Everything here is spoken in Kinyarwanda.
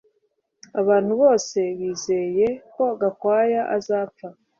Abantu bose bizeye ko Gakwaya atazapfa